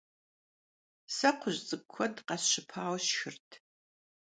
Se kxhuj ts'ık'u kued khesşıpaue sşşxırt.